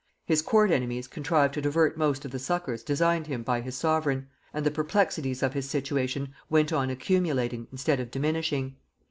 His court enemies contrived to divert most of the succours designed him by his sovereign, and the perplexities of his situation went on accumulating instead of diminishing.